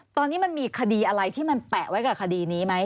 ตอนนี้มันมีคดีอะไรที่มันแปะไว้กับคดีนี้ไหม